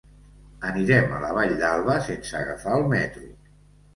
Anirem a la Vall d'Alba sense agafar el metro.